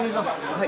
はい。